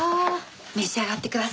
召し上がってください。